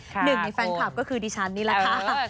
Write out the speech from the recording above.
หนึ่งในแฟนคลับก็คือดิฉันนี่แหละค่ะ